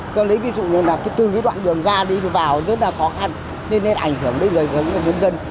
tôi lấy ví dụ như là từ cái đoạn đường ra đi vào rất là khó khăn nên là ảnh hưởng đến dân dân